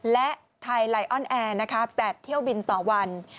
และไทยไลออนแอร์นะคะ๘เที่ยวบินต่อวัน